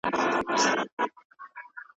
هغه سړی خپل کار ته ژمن پاته سوی دی.